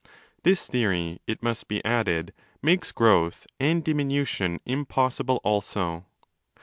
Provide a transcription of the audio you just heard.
This theory, it must be added, makes growth and diminution impossible also.